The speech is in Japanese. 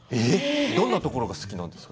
どんなところが好きなんですか。